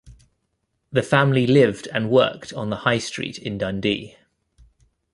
The family lived and worked on the High Street in Dundee.